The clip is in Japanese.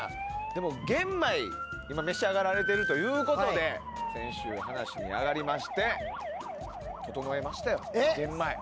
でも、玄米を今召し上がられているということで先週話に上がりまして整えましたよ、玄米。